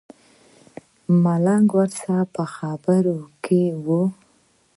ملنګ ورسره په خبرو کې و.